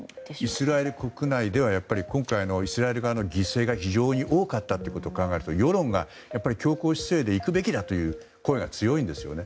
イスラエル国内では今回のイスラエル側の犠牲が非常に多かったことを考えると世論が強硬姿勢で行くべきだという声が強いんですよね。